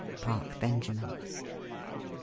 Park Benjamin.